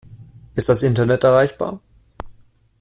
Ist das Internet erreichbar?